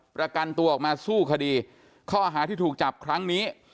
ประกันตัวออกมาสู้คดีข้อหาที่ถูกจับครั้งนี้